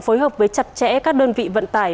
phối hợp với chặt chẽ các đơn vị vận tải